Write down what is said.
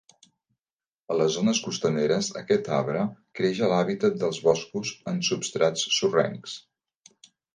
A les zones costaneres aquest arbre creix a l'hàbitat dels boscos en substrats sorrencs.